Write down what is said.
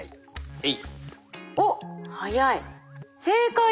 えい。